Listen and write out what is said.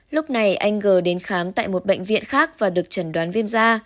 lúc này anh g đến khám tại một bệnh viện khác và được chẩn đoán viêm da